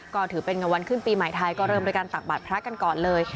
ก็ถือเป็นวันขึ้นปีใหม่ไทยก็เริ่มด้วยการตักบาทพระกันก่อนเลย